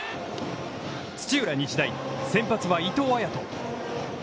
土浦日大、先発は伊藤彩斗。